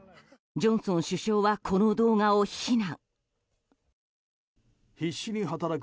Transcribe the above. ジョンソン首相はこの動画を非難。